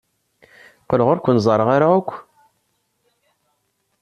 Qqleɣ ur ken-ẓerreɣ ara akk.